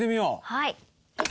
はい。